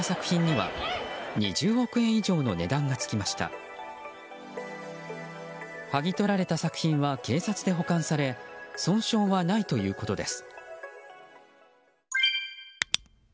はぎ取られた作品は警察で保管され損傷はないということです。